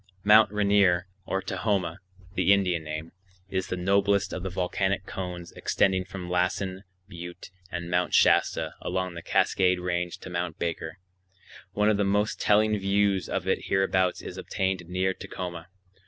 Mt. Rainier, or Tahoma (the Indian name), is the noblest of the volcanic cones extending from Lassen Butte and Mt. Shasta along the Cascade Range to Mt. Baker. One of the most telling views of it hereabouts is obtained near Tacoma.